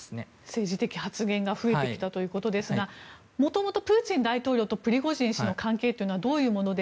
政治的発言が増えてきたということですがもともとプーチン大統領とプリゴジン氏の関係はどういうもので